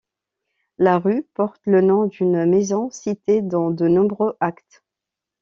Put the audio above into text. La rue porte le nom d'une maison citée dans de nombreux actes.